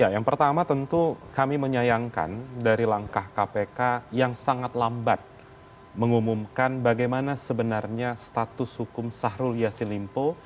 yang pertama tentu kami menyayangkan dari langkah kpk yang sangat lambat mengumumkan bagaimana sebenarnya status hukum sahrul yassin limpo